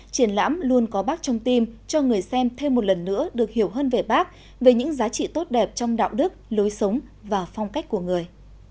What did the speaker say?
triển lãm luôn có bác trong tim cho người xem thêm một lần nữa được hiểu hơn về bác về những giá trị tốt đẹp trong đạo đức lối sống và phong cách của người